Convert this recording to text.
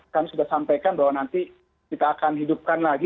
kami sudah sampaikan bahwa nanti kita akan hidupkan lagi